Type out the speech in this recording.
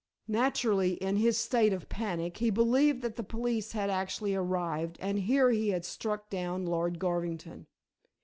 Naturally in his state of panic he believed that the police had actually arrived, and here he had struck down Lord Garvington.